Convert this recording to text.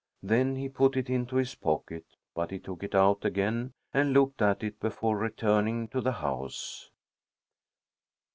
Then he put it into his pocket, but he took it out again and looked at it before returning to the house.